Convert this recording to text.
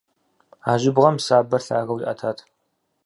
А жьыбгъэм сабэр лъагэу иӏэтат.